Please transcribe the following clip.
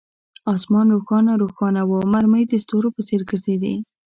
آسمان روښانه روښانه وو، مرمۍ د ستورو په څیر ګرځېدې.